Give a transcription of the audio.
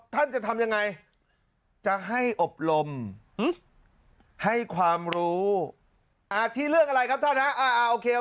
ท่านจะทำยังไงจะให้อบรมให้ความรู้ที่เรื่องอะไรครับท่านฮะอ่าโอเค